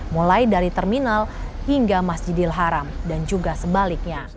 mulai dari terminal hingga masjidil haram dan juga sebaliknya